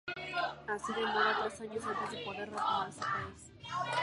Así demora tres años antes de poder retornar a su país.